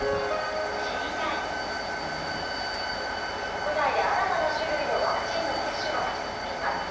国内で新たな種類のワクチンの接種が始まっています。